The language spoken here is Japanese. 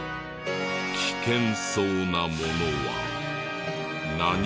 危険そうなものは何もない。